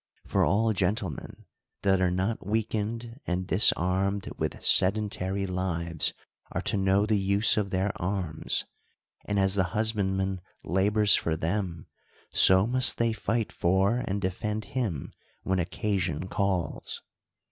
For all gentlemen, that are not weakened and disarmed with sedentary lives, are to know the use of their arms ; and as the husbandman labors for them, so must they fight for and defend him, when occasion calls.